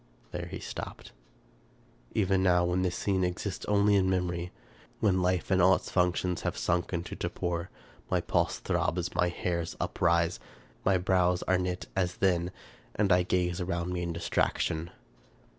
There he stopped. Even now, when this scene exists only in memory, when life and all its functions have sunk into torpor, my pulse throbs, and my hairs uprise ; my brows are knit, as then, and I gaze around me in distraction.